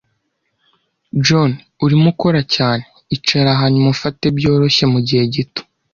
John, urimo ukora cyane. Icara hanyuma ufate byoroshye mugihe gito.